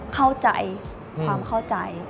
เข้าใจความเข้าใจ